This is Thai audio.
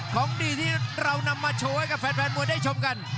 ของดีที่เรานำมาโชว์ให้กับแฟนมวยได้ชมกัน